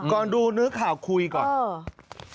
ก่อนดูเนื้อข่าวคุยก่อน